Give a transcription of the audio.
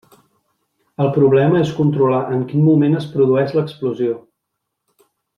El problema és controlar en quin moment es produeix l'explosió.